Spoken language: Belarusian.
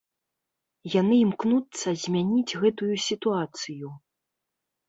Яны імкнуцца змяніць гэтую сітуацыю.